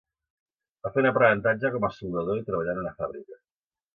Va fer un aprenentatge com a soldador i treballà en una fàbrica.